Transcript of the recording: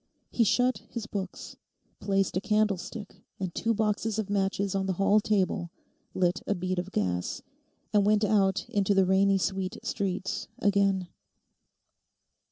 He shut his books, placed a candlestick and two boxes of matches on the hall table, lit a bead of gas, and went out into the rainy sweet streets again.